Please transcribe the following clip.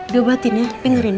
dobatin ya pinggirin ya